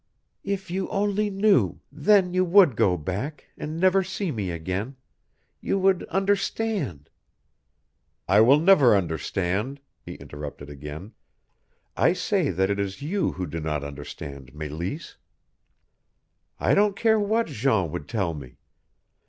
"If you only knew then you would go back, and never see me again. You would understand " "I will never understand," He interrupted again. "I say that it is you who do not understand, Meleese! I don't care what Jean would tell me.